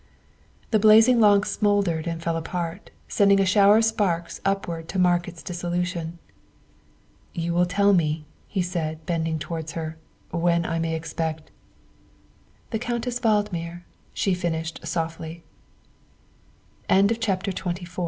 ' The blazing log smouldered and fell apart, sending a shower of sparks upward to mark its dissolution. " You will tell me," he said, bending towards her, " when I may expect " The Countess Valdmir," sh